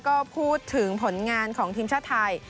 ก็พูดถึงผลงานของทีมชาติไทย